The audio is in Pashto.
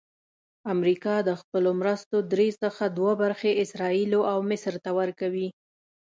امریکا د خپلو مرستو درې څخه دوه برخې اسراییلو او مصر ته ورکوي.